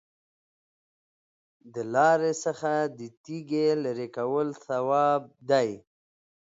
د لارې څخه د تیږې لرې کول ثواب دی.